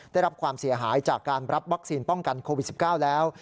ได้รับความเสียหายจากการรับวัคซีนป้องกันโควิด๑๙แล้ว